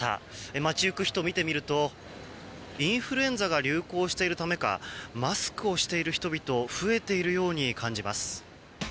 街行く人を見てみるとインフルエンザが流行していることもあってかマスクしている人々増えているように感じます。